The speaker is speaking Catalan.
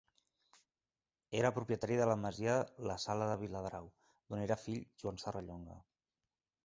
Era propietari de la masia la Sala de Viladrau, d'on era fill Joan Serrallonga.